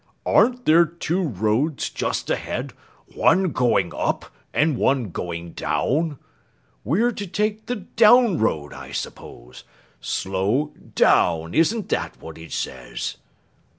"Aren't there two roads just ahead, one going up and one going down? We're to take the down road, I suppose. 'Slow down,' isn't that what it says?"